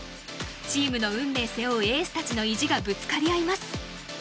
チームの運命を背負うエースたちの意地がぶつかり合います。